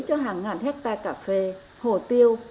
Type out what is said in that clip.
cho hàng ngàn hectare cà phê hồ tiêu